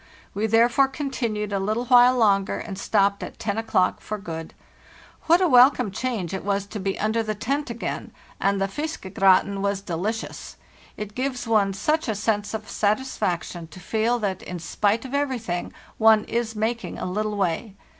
We therefore continued a little while longer and stopped at ro o'clock for good. What a welcome change it was to be under the tent 254. FARTHEST NORTH again! And the ' fiskegratin' was delicious. It gives one such a sense of satisfaction to feel that, in spite of every thing, one is making a little way.